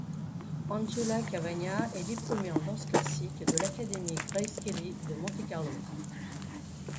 Angela Cavagna est diplômée en danse classique de l'académie Grace Kelly de Montecarlo.